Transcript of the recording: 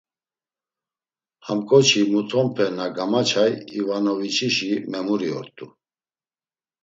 Ham ǩoçi, mutonpe na gamaçay İvanoviç̌işi memuri ort̆u.